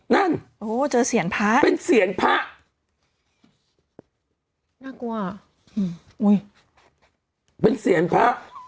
นั่นโอ้เจอเสียงพระเป็นเสียงพระน่ากลัวอืมอุ้ยเป็นเสียงพระ